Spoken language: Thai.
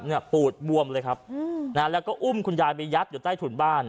ปูดบวมเลยครับแล้วก็อุ้มคุณยายไปยัดอยู่ใต้ถุนบ้าน